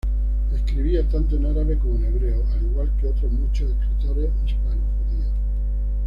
Escribía tanto en árabe como en hebreo, al igual que otros muchos escritores hispano-judíos.